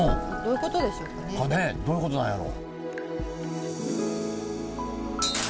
どういうことなんやろ？